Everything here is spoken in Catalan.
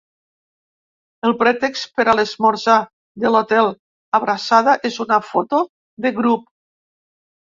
El pretext per a l'esmorzar de l'Hotel Abraçada és una foto de grup.